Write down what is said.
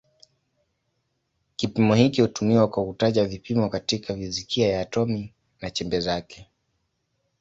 Kipimo hiki hutumiwa kwa kutaja vipimo katika fizikia ya atomi na chembe zake.